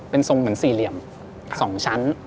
เป็นทรงเหมือนสี่เหลี่ยม๒ชั้น